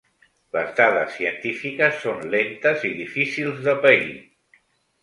Les dades científiques són lentes i difícils de pair.